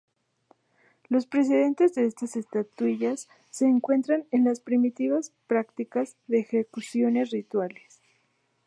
Los precedentes de estas estatuillas se encuentran en las primitivas prácticas de ejecuciones rituales.